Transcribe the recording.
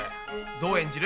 どう演じる？